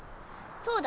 そうだ。